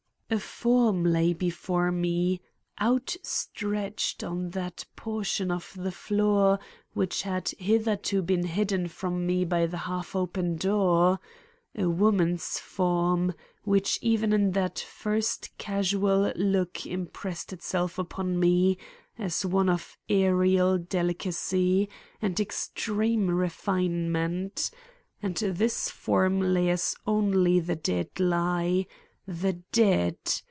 A form lay before me, outstretched on that portion of the floor which had hitherto been hidden from me by the half open door—a woman's form, which even in that first casual look impressed itself upon me as one of aerial delicacy and extreme refinement; and this form lay as only the dead lie; _the dead!